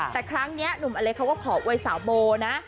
แต่ครั้งนี้หนุ่มอเล็กเขาก็ขออวยสาวโบนะ